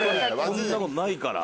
こんなことないから。